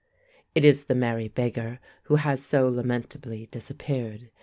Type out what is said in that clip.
It is the merry beggar who has so lamentably disappeared.